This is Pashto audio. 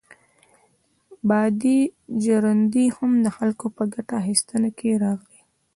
بادي ژرندې هم د خلکو په ګټه اخیستنه کې راغلې.